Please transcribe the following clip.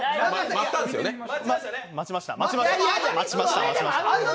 待ちました。